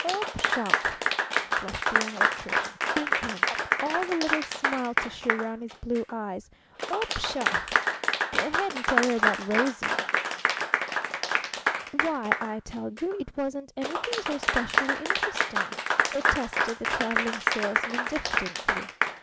"Oh, pshaw!" flushed the Young Electrician, crinkling up all the little smile tissue around his blue eyes. "Oh, pshaw! Go ahead and tell her about 'Rosie.'" "Why, I tell you it wasn't anything so specially interesting," protested the Traveling Salesman diffidently.